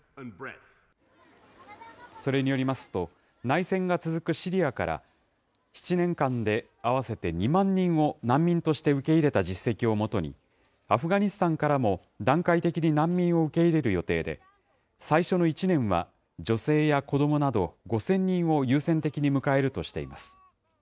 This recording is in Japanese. それによりますと、内戦が続くシリアから、７年間で合わせて２万人を難民として受け入れた実績をもとに、アフガニスタンからも段階的に難民を受け入れる予定で、最初の１年は、女性や子どもなど５０００人を優先的に迎えるとしています。